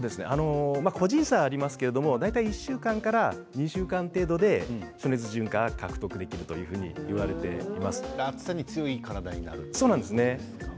個人差はありますが大体１週間から２週間程度で暑熱順化は獲得できるという暑さに強い体になるんですね。